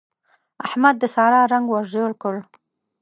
احمد د سارا رنګ ور ژړ کړ.